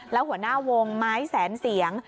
แล้วหัวหน้าวงไม้แสนเสียง